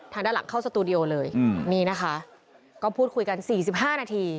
ทางด้านหลังเข้าสตูดิโอเลยนี่นะคะก็พูดคุยกัน๔๕นาที